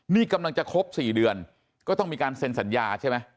นี่กำลังจะครบ๔เดือนก็ต้องมีการเซ็นสัญญาใช่ไหม